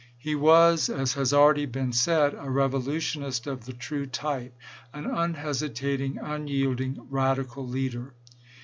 He was, as has already been said, a revolutionist of the true type — an un hesitating, unyielding, radical leader.